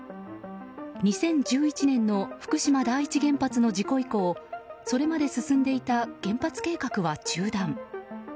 ２０１１年の福島第一原発の事故以降それまで進んでいた原発計画は中断。